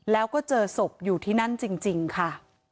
แล้วก็เจอศพอยู่ที่นั่นจริงค่ะ